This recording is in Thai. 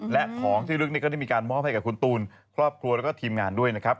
และของที่ลึกนี้ก็ได้มีการมอบให้กับคุณตูนครอบครัวแล้วก็ทีมงานด้วยนะครับ